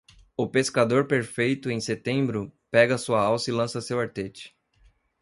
O pescador perfeito, em setembro, pega sua alça e lança seu artete.